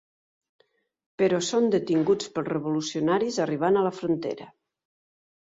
Però són detinguts pels revolucionaris arribant a la frontera.